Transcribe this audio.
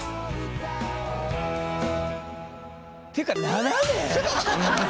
っていうか７年！